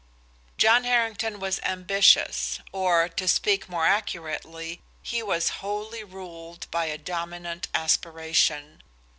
John Harrington was ambitious, or, to speak more accurately, he was wholly ruled by a dominant aspiration.